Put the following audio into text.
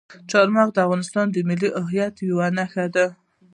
چار مغز د افغانستان د ملي هویت یوه نښه ده.